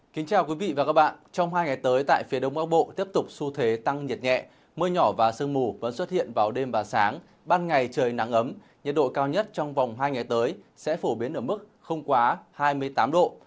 kính chào quý vị và các bạn trong hai ngày tới tại phía đông bắc bộ tiếp tục xu thế tăng nhiệt nhẹ mưa nhỏ và sương mù vẫn xuất hiện vào đêm và sáng ban ngày trời nắng ấm nhiệt độ cao nhất trong vòng hai ngày tới sẽ phổ biến ở mức không quá hai mươi tám độ